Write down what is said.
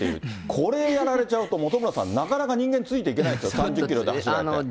これやられちゃうと、本村さん、なかなか人間ついていけない、３０キロで走られて。